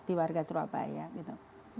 di warga surabaya gitu